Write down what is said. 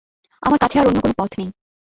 আমার কাছে আর অন্য কোনো পথ নেই।